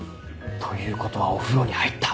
ということはお風呂に入った。